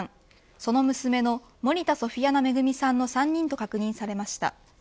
その娘の森田ソフィアナ恵さんの３人と確認されました。